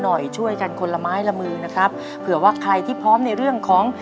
หน่อยช่วยกันคนละไม้ละมือนะครับเผื่อว่าใครที่พร้อมในเรื่องของ